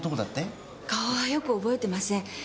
顔はよく覚えてません。